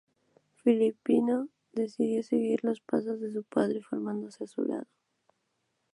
Filippino decidió seguir los pasos de su padre, formándose a su lado.